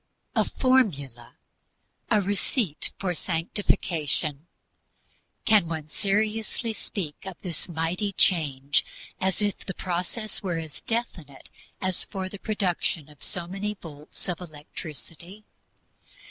A formula, a receipt for Sanctification can one seriously speak of this mighty change as if the process were as definite as for the production of so many volts of electricity?